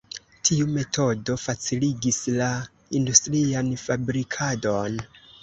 Tiu metodo faciligis la industrian fabrikadon.